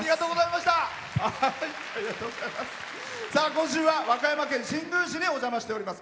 今週は和歌山県新宮市にお邪魔しております。